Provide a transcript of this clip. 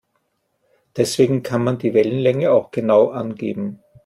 Deswegen kann man die Wellenlänge auch genau angeben.